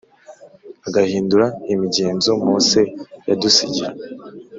agahindura imigenzo Mose yadusigiye